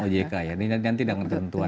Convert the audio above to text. ojk ya ini nanti dengan ketentuan